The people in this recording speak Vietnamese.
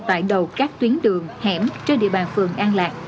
tại đầu các tuyến đường hẻm trên địa bàn phường an lạc